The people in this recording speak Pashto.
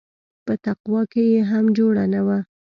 په تقوا کښې يې هم جوړه نه وه.